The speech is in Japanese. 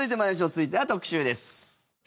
続いては特集です。